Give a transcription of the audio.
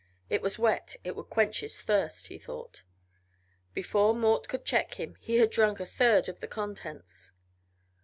It was wet; it would quench his thirst, he thought. Before Mort could check him he had drunk a third of the contents.